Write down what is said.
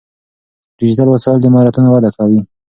ډیجیټل وسایل د مهارتونو وده کوي.